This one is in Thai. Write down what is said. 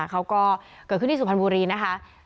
เขาก็เกิดขึ้นที่สุพรรณบุรีนะคะ